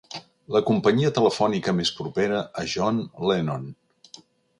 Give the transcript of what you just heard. La companyia telefònica més propera a John Lennon.